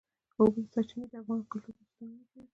د اوبو سرچینې د افغان کلتور په داستانونو کې راځي.